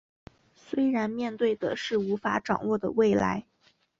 虽然面对的是无法掌握的未来